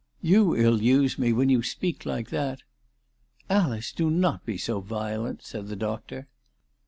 You ill use me when you speak like that." " Alice, do not be so violent," said the doctor.